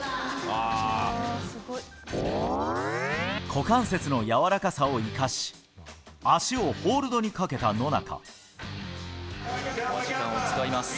股関節のやわらかさを生かし足をホールドにかけた野中。